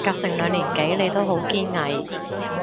隔成兩年幾你都好堅毅